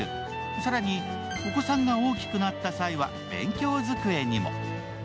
更に、お子さんが大きくなった際には勉強机にも。